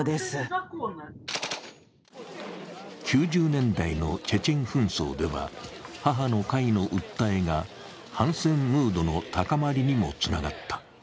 ９０年代のチェチェン紛争では、母の会の訴えが反戦ムードの高まりにもつながった。